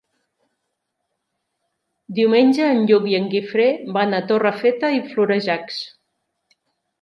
Diumenge en Lluc i en Guifré van a Torrefeta i Florejacs.